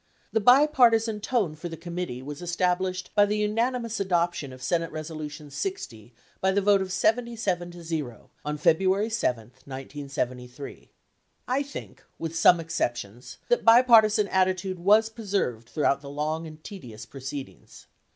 The bipartisan tone for the committee was established by the unanimous adoption of Senate Resolution 60 by the vote of 77 to 0 on February 7, 1973. I think, with some exceptions that bipartisan attitude was preserved throughout the long and tedious proceedings.